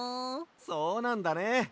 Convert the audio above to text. そうなんだね！